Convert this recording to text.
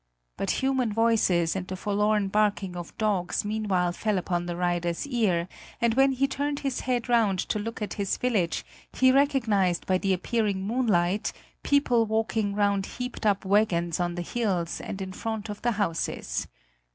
But human voices and the forlorn barking of dogs meanwhile fell upon the rider's ear, and when he turned his head round to look at his village, he recognised by the appearing moonlight people working round heaped up wagons on the hills and in front of the houses.